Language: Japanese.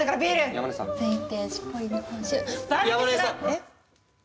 えっ。